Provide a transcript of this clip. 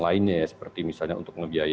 lainnya ya seperti misalnya untuk ngebiayai